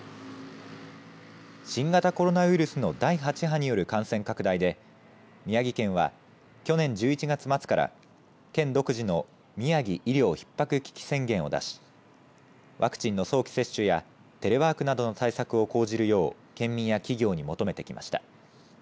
新型コロナウイルスの第８波による感染拡大で宮城県は去年１１月末から県独自のみやぎ医療ひっ迫危機宣言を出しワクチンの早期接種やテレワークなどの対策を講じるよう県民や企業に求めてきました。